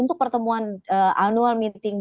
untuk pertemuan annual meetiing dua ribu dua puluh tiga ini